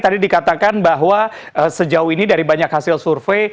tadi dikatakan bahwa sejauh ini dari banyak hasil survei